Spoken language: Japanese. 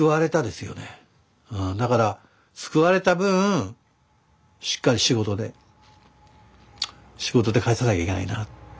だから救われた分しっかり仕事で仕事で返さなきゃいけないなって思ったですね。